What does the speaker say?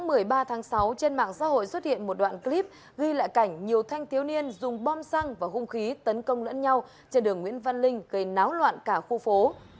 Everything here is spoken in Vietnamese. hôm một mươi ba tháng sáu trên mạng xã hội xuất hiện một đoạn clip ghi lại cảnh nhiều thanh thiếu niên dùng bom xăng và hung khí tấn công lẫn nhau trên đường nguyễn văn linh gây náo loạn cả khu phố